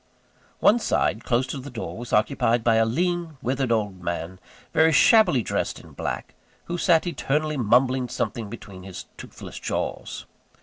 One side, close to the door, was occupied by a lean, withered old man, very shabbily dressed in black, who sat eternally mumbling something between his toothless jaws.